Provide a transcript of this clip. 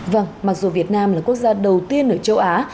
vâng mặc dù việt nam là quốc gia đầu tiên ở châu á